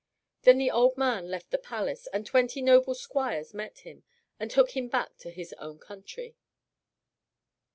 Then the old man left the palace, and twenty noble squires met him, and took him back to his own country.